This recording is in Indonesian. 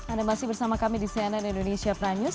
anda masih bersama kami di cnn indonesia prime news